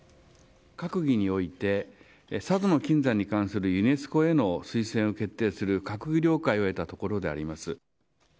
閣議において、佐渡島の金山に関するユネスコへの推薦を決定する閣議了解を得たところであります。